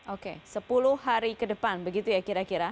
oke sepuluh hari ke depan begitu ya kira kira